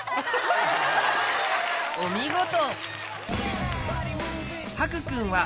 お見事！